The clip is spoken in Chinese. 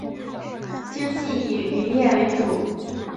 经济以渔业为主。